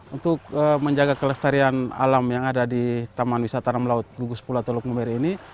untuk menjaga kelestarian alam yang ada di taman wisata alam laut gugus pulau teluk mumeri ini